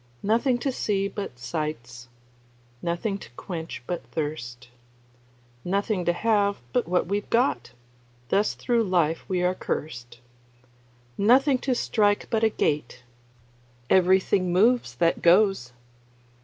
Nothing to see but sights, Nothing to quench but thirst, Nothing to have but what we've got; Thus thro' life we are cursed. Nothing to strike but a gait; Everything moves that goes.